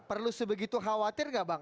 perlu sebegitu khawatir nggak bang